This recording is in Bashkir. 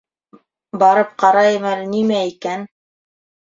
Барып ҡарайым әле, нимә икән?